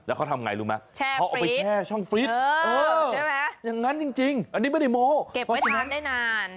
หัวใสอากาศเก็บไว้ถึงนั่นได้นาน